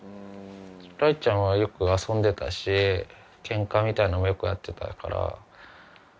雷ちゃんはよく遊んでたしケンカみたいなのもよくやってたから。